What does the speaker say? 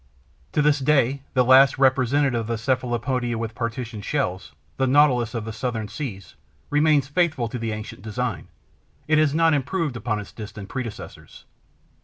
To this day, the last representative of the Cephalopoda with partitioned shells, the Nautilus of the Southern Seas, remains faithful to the ancient design; it has not improved upon its distant predecessors.